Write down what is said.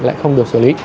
lại không được xử lý